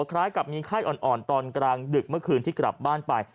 คล้ายกับมีไข้อ่อนตอนกลางดึกเมื่อคืนที่กลับบ้านไป